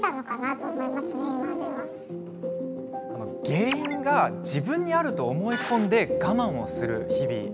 原因が自分にあると思い込んで我慢をする日々。